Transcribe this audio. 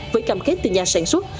với cảm khích từ nhà sản xuất